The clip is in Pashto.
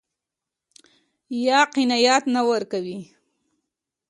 يا قناعت نه ورکوي.